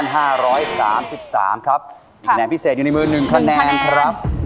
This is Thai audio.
แนะนำพิเศษอยู่ในมือ๑คะแนนครับ